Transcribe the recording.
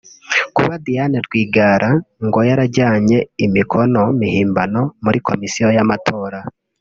Kuba Diane Rwigara ngo yarajyanye imikono mihimbano muri Komisiyo y’Amatora